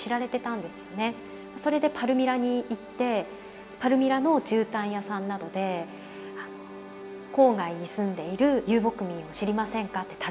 それでパルミラに行ってパルミラのじゅうたん屋さんなどで郊外に住んでいる遊牧民を知りませんかって訪ね歩いたりなどして。